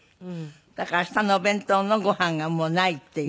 だから明日のお弁当のご飯がもうないっていう。